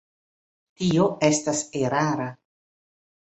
Tio estas erara.